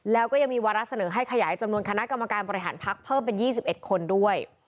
แล้วก็ยังมีวาระเสนอให้ขยายจำนวนคณะกรรมการบริหารพักเพิ่มเป็น๒๑คนด้วย